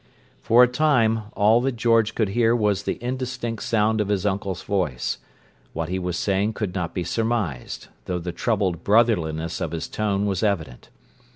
For a time all that George could hear was the indistinct sound of his uncle's voice: what he was saying could not be surmised, though the troubled brotherliness of his tone was evident.